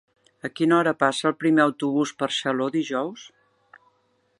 A quina hora passa el primer autobús per Xaló dijous?